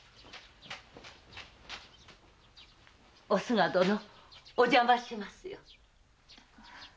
おすが殿お邪魔しますよ。